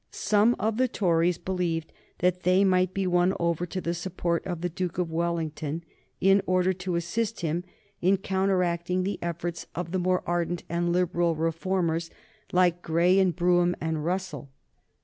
Some of the Tories believed that they might be won over to support the Duke of Wellington, in order to assist him in counteracting the efforts of the more ardent and liberal reformers, like Grey and Brougham and Russell.